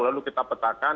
lalu kita petakan